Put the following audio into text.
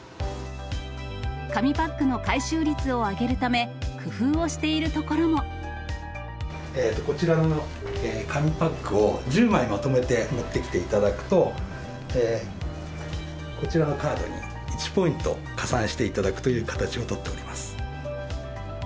紙パックの回収率を上げるため、こちらの紙パックを、１０枚まとめて持ってきていただくと、こちらのカードに１ポイント加算していただくという形を取っております。